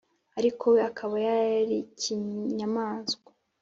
ariko we akaba yarinkinyamaswa